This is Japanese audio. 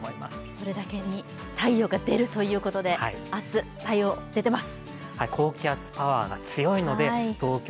それだけに太陽が出るということで明日、太陽出てます。